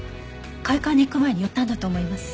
会館に行く前に寄ったんだと思います。